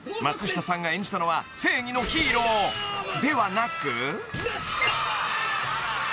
［松下さんが演じたのは正義のヒーローではなく］